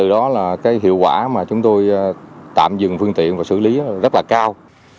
đó là hiệu quả mà chúng tôi tạm dừng phương tiện và xử lý rất là cao